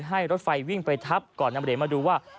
ให้รถไฟวิ่งไปทับก่อนนำเหรียญมาดูว่า